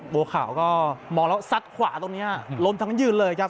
บัวขาวก็มองแล้วซัดขวาตรงนี้ล้มทั้งยืนเลยครับ